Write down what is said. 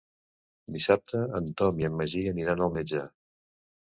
Dissabte en Tom i en Magí aniran al metge.